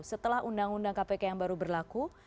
setelah undang undang kpk yang baru berlaku